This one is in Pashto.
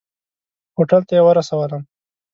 هوټل ته یې ورسولم.